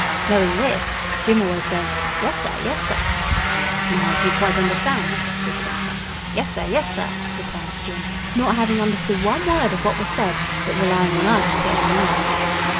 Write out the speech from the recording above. Knowing this, Jim always says, 'Yes, sir; yes, sir.' 'Now do you quite understand?' says the Gaffer. 'Yes, sir; yes, sir,' replies Jim, not having understood one word of what was said; but relying on us to put him right.